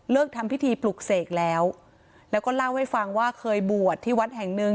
ทำพิธีปลุกเสกแล้วแล้วก็เล่าให้ฟังว่าเคยบวชที่วัดแห่งหนึ่ง